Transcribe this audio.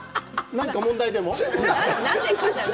何か問題でも？